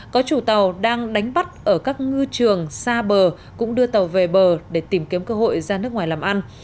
có chủ tàu đang đánh bắt ở các ngư trường xa bờ cũng đưa tàu về bờ để tìm kiếm cơ hội ra nước ngoài làm ăn